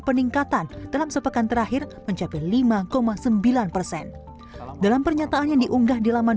peningkatan dalam sepekan terakhir mencapai lima sembilan persen dalam pernyataan yang diunggah di laman